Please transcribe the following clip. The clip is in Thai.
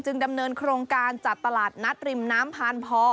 ดำเนินโครงการจัดตลาดนัดริมน้ำพานพอ